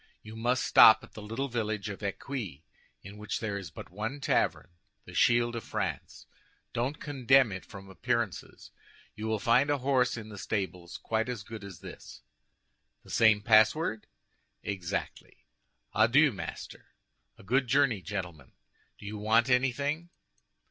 You must stop at the little village of Eccuis, in which there is but one tavern—the Shield of France. Don't condemn it from appearances; you will find a horse in the stables quite as good as this." "The same password?" "Exactly." "Adieu, master!" "A good journey, gentlemen! Do you want anything?"